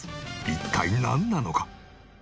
一体なんなのか？